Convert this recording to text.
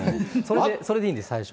それでいいんです、最初は。